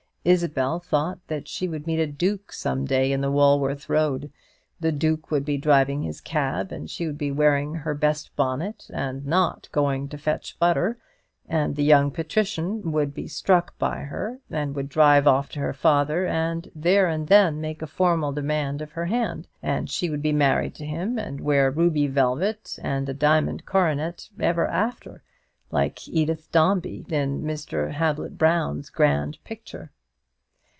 Isabel thought that she would meet a duke some day in the Walworth Road; the duke would be driving his cab, and she would be wearing her best bonnet and not going to fetch butter; and the young patrician would be struck by her, and would drive off to her father, and there and then make a formal demand of her hand; and she would be married to him, and wear ruby velvet and a diamond coronet ever after, like Edith Dombey in Mr. Hablot Browne's grand picture.